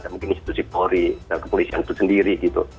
mungkin institusi polri kepolisian itu sendiri gitu